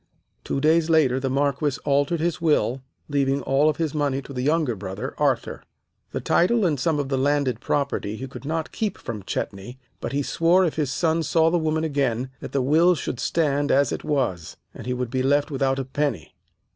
Two days later the marquis altered his will, leaving all of his money to the younger brother, Arthur. "The title and some of the landed property he could not keep from Chetney, but he swore if his son saw the woman again that the will should stand as it was, and he would be left without a penny.